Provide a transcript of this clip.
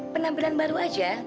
penampilan baru aja